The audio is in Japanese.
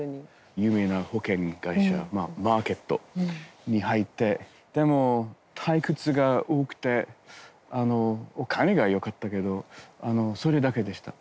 有名な保険会社マーケットに入ってでも退屈が多くてお金がよかったけどそれだけでした。